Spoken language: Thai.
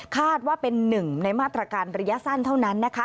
คาดว่าเป็นหนึ่งในมาตรการระยะสั้นเท่านั้นนะคะ